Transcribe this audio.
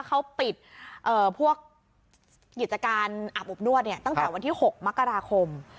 เขาปิดพวกกิจการอาบอบนวดเนี่ยตั้งแต่วันที่๖มกราคม